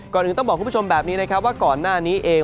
ก่อนอื่นต้องบอกคุณผู้ชมแบบนี้นะครับว่าก่อนหน้านี้เอง